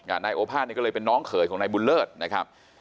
นายโอภาษนี่ก็เลยเป็นน้องเขยของนายบุญเลิศนะครับ